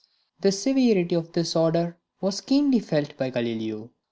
The severity of this order was keenly felt by Galileo.